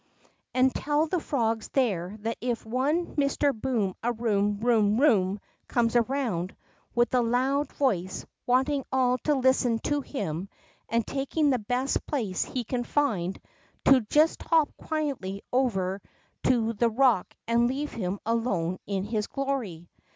20 THE ROCK FROG and tell the frogs there that if one Mister Booni a Koom room room comes around, with a lond voice, wanting all to listen to him, and taking the best place he can find, to just hop quietly over to the rock and leave him alone in his glory."